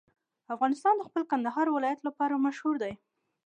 افغانستان د خپل کندهار ولایت لپاره مشهور دی.